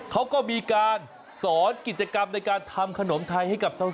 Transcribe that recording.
เขาก็มีการสอนกิจกรรมในการทำขนมไทยให้กับสาว